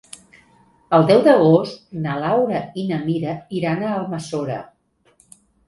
El deu d'agost na Laura i na Mira iran a Almassora.